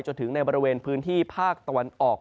จนถึงในบริเวณพื้นที่ภาคตะวันออก